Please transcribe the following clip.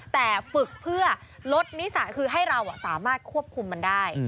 แต่ฝึกเพื่อลดนิสัยคือให้เราสามารถควบคุมมันได้